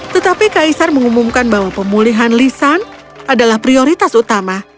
tetapi kaisar mengumumkan bahwa pemulihan lisan adalah prioritas utama